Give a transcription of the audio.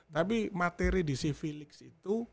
tapi materi di si v lig itu